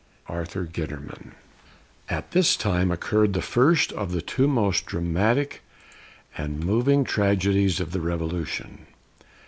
ARTHUR GUITERMAN. At this time occurred the first of the two most dramatic and moving tragedies of the Revolution.